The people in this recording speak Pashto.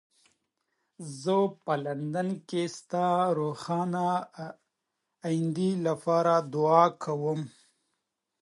زه په لندن کې ستا د روښانه ایندې لپاره دعا کوم.